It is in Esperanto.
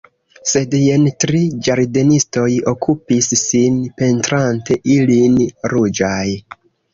Sed jen tri ĝardenistoj okupis sin pentrante ilin ruĝaj.